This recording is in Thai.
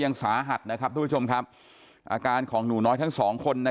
ยังสาหัสนะครับทุกผู้ชมครับอาการของหนูน้อยทั้งสองคนนะ